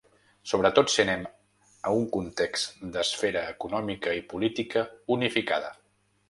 Sobretot si anem a un context d’esfera econòmica i política unificada.